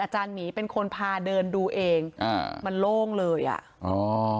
หมีเป็นคนพาเดินดูเองอ่ามันโล่งเลยอ่ะอ๋อ